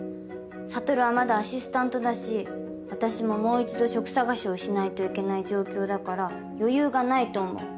悟はまだアシスタントだし私ももう一度職探しをしないといけない状況だから余裕がないと思う。